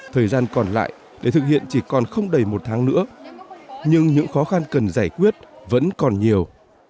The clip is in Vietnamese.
thời gian còn lại để thực hiện chỉ còn không đầy một tháng nữa nhưng những khó khăn cần giải quyết vẫn còn nhiều